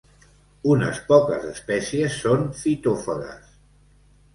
Unes poques espècies són fitòfagues.